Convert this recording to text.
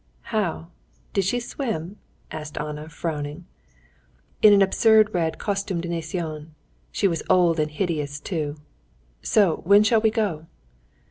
"How? did she swim?" asked Anna, frowning. "In an absurd red costume de natation; she was old and hideous too. So when shall we go?"